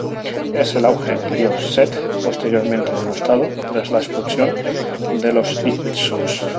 Es el auge del dios Seth, posteriormente denostado tras la expulsión de los hicsos.